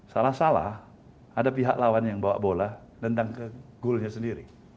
salah salah ada pihak lawan yang bawa bola dendam ke golnya sendiri